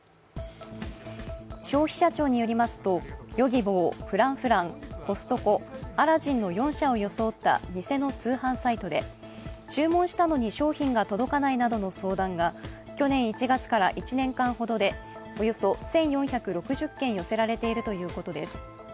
消費者庁によりますとＹｏｇｉｂｏ、Ｆｒａｎｃｆｒａｎｃ、ＣＯＳＴＣＯ、Ａｌａｄｄｉｎの４社を装った偽の通販サイトで注文したのに商品が届かないなどの相談が去年１月から１年間ほどでおよそ１４６０件寄せられているということです。